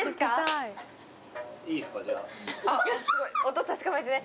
音確かめてね。